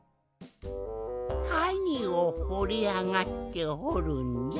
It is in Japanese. はにをほりあがってほるんじゃ？